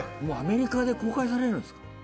もうアメリカで公開されるんですか？